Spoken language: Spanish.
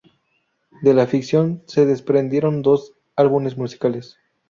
De la ficción se desprendieron dos álbumes musicales.